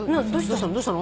どうしたの？